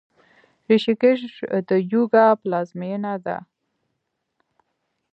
ریشیکیش د یوګا پلازمینه ده.